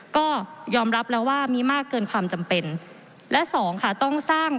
ก็ยอมรับแล้วว่ามีมากเกินความจำเป็นและสองค่ะต้องสร้าง